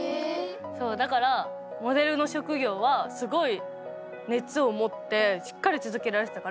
そうだからモデルの職業はすごい熱を持ってしっかり続けられてたから。